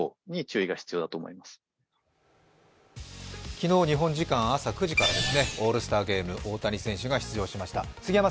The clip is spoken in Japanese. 昨日、日本時間朝９時からですね、オールスターゲーム大谷選手が出場しました。